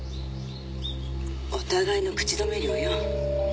「お互いの口止め料よ」